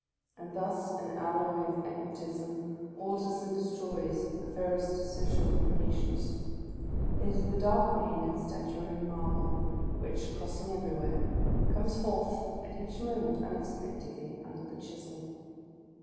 And thus an alloy of egotism alters and destroys the fairest social combi nations. It is the dark vein in statuary marble, which, cross in £•; everywhere, comes forth at each moment unexpectedly under the chisel!